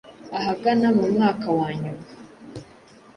ahagana mu mwaka wanyuma